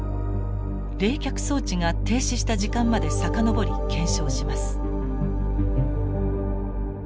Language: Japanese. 冷却装置が停止した時間まで遡り検証します。